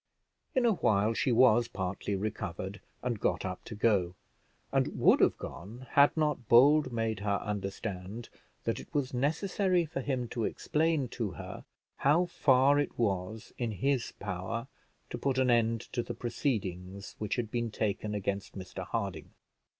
In a while she was partly recovered, and got up to go, and would have gone, had not Bold made her understand that it was necessary for him to explain to her how far it was in his power to put an end to the proceedings which had been taken against Mr Harding.